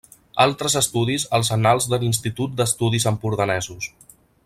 Altres estudis als Annals de l'Institut d'Estudis Empordanesos.